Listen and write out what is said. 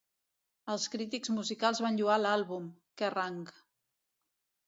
Els crítics musicals van lloar l'àlbum; Kerrang!